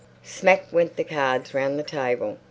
'" Smack went the cards round the table.